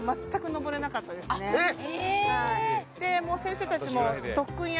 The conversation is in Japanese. ・えっ？